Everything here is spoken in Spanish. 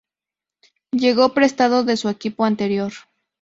Llegó prestado de su equipo anterior.